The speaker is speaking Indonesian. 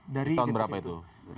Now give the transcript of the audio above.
tahun berapa itu